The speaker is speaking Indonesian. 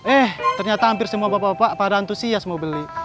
eh ternyata hampir semua bapak bapak pada antusias mau beli